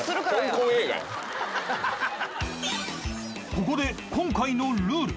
［ここで今回のルール］